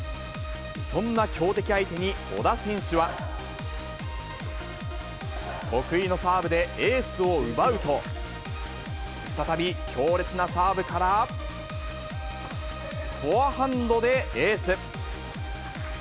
そんな強敵相手に、小田選手は。得意のサーブでエースを奪うと、再び強烈なサーブから、フォアハンドでエース。